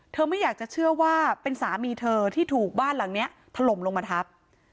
ไม่อยากจะเชื่อว่าเป็นสามีเธอที่ถูกบ้านหลังนี้ถล่มลงมาทับ